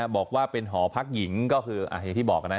บอกว่าเป็นหอพักหญิงก็คืออย่างที่บอกนะ